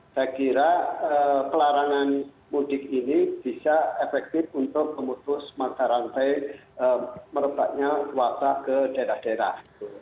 saya kira pelarangan mudik ini bisa efektif untuk memutus mata rantai merebaknya puasa ke daerah daerah